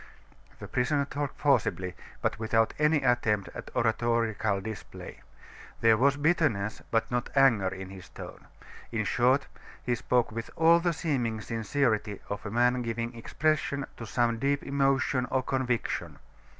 The prisoner talked forcibly, but without any attempt at oratorical display; there was bitterness but not anger in his tone; in short, he spoke with all the seeming sincerity of a man giving expression to some deep emotion or conviction.